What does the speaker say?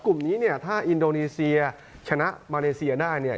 กลุ่มนี้เนี่ยถ้าอินโดนีเซียชนะมาเลเซียได้เนี่ย